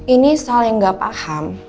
ini sal yang enggak paham